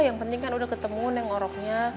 yang penting kan udah ketemu neng oroknya